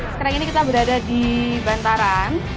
sekarang ini kita berada di bantaran